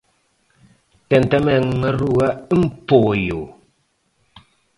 Ten tamén unha rúa en Poio.